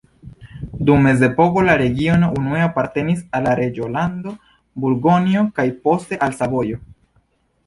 Dum mezepoko la regiono unue apartenis al la reĝolando Burgonjo kaj poste al Savojo.